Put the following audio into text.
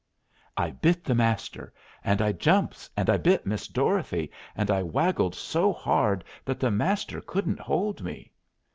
I bit the Master, and I jumps and bit Miss Dorothy, and I waggled so hard that the Master couldn't hold me.